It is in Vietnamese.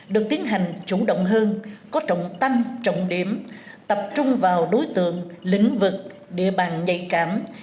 được tiến hành chủ động hơn có trọng tâm trọng điểm tập trung vào đối tượng lĩnh vực địa bàn nhạy cảm